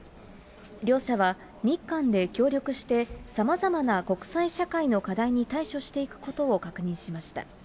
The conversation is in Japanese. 両者は日韓で協力して、さまざまな国際社会の課題に対処していくことを確認しました。